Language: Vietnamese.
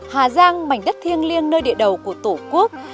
hà giang mảnh đất thiêng liêng nơi địa đầu của tổ quốc